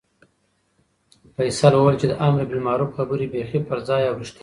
فیصل وویل چې د امربالمعروف خبرې بیخي په ځای او رښتیا دي.